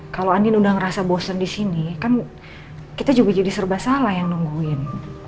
kalau andin udah ngerasa bosen di sini kan kita juga jadi serba salah yang nungguin